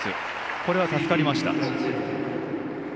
これは助かりました。